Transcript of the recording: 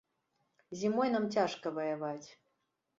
Зімой нам цяжка ваяваць.